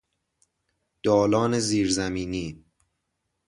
دالان زیر زمینی